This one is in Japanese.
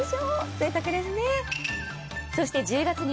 ぜいたくですね。